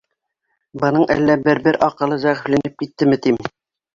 Бының әллә бер-бер аҡылы зәғифләнеп киттеме, тим.